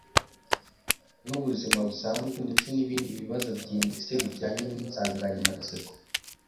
n’ubuzima busanzwe ndetse n’ibindi bibazo byimbitse bijyanye n’insanganyamatsiko